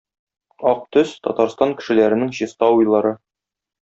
ак төс - Татарстан кешеләренең чиста уйлары